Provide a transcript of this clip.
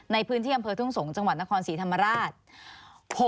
ในพื้นเที่ยงบริษัททุ่งสงส์จังหวัดนครศรีธรรมราช